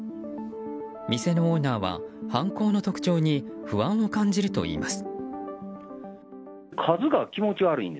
店のオーナーは犯行の特徴に不安を感じるといいます。